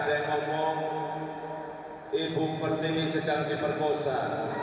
jadi jangan sampai ada yang ngomong ibu pertiwi sedang diperkosa